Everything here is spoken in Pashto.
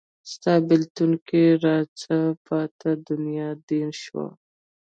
ستا بیلتون کې راڅه پاته دنیا دین شو